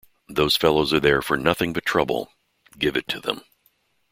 Those fellows are there for nothing but trouble - give it to them!